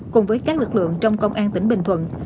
cùng với các lực lượng trong công an tỉnh bình thuận